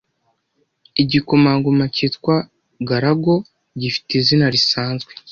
Igikomangoma cyitwa Galago gifite izina risanzwe